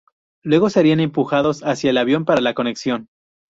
Luego serían empujados hacia el avión para la conexión.